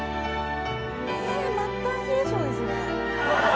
末端冷え性ですね。